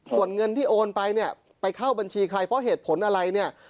ส่วนเงินที่โอนไปเนี่ยไปเข้าบัญชีใครเพราะเหตุผลอะไรเนี่ย